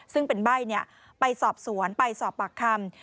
ซึ่งเป็นใบ้ไปสอบสวนไปสอบปากคำ